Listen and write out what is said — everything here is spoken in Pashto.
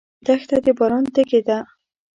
دښته د باران تږې ده.